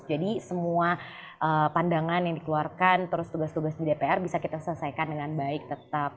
jadi semua pandangan yang dikeluarkan terus tugas tugas di dpr bisa kita selesaikan dengan baik tetap